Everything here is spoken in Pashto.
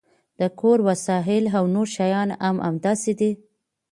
د کور وسایل او نور شیان هم همداسې دي